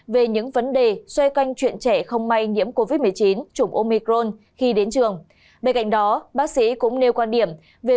về những vấn đề xoay canh chuyện trẻ không may nhiễm